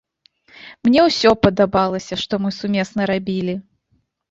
Мне ўсё падабалася, што мы сумесна рабілі.